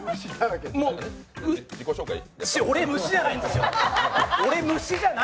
俺、虫じゃないんですよ。